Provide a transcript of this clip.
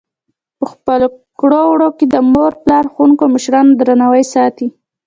په خپلو کړو وړو کې د مور پلار، ښوونکو او مشرانو درناوی ساتي.